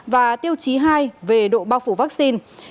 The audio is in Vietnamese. và tiêu chí hai về độ bao phủ vaccine